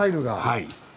はい。